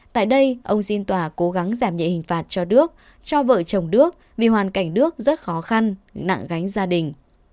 tại đây ông xin tòa cố gắng giảm nhẹ hình phạt cho đước cho vợ chồng đức vì hoàn cảnh nước rất khó khăn nặng gánh gia đình